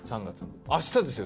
明日ですよ。